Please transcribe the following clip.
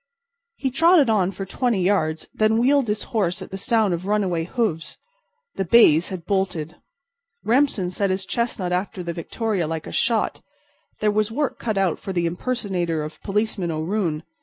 He trotted on for twenty yards, and then wheeled his horse at the sound of runaway hoofs. The bays had bolted. Remsen sent his chestnut after the victoria like a shot. There was work cut out for the impersonator of Policeman O'Roon.